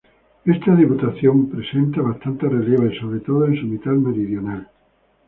Esta diputación presenta bastantes relieves, sobre todo en su mitad meridional.